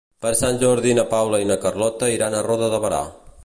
Per Sant Jordi na Paula i na Carlota iran a Roda de Berà.